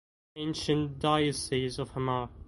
Ancient Diocese of Hamar